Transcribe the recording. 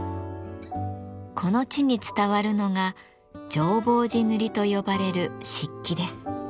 この地に伝わるのが浄法寺塗と呼ばれる漆器です。